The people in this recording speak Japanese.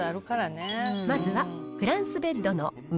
まずは。